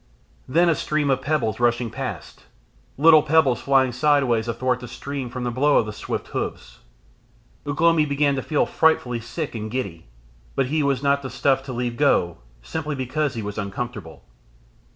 Then a stream of pebbles rushing past, little pebbles flying sideways athwart the stream from the blow of the swift hoofs. Ugh lomi began to feel frightfully sick and giddy, but he was not the stuff to leave go simply because he was uncomfortable.